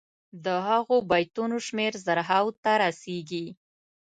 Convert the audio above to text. د هغو بیتونو شمېر زرهاوو ته رسيږي.